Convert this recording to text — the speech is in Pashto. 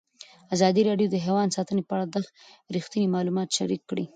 ازادي راډیو د حیوان ساتنه په اړه رښتیني معلومات شریک کړي.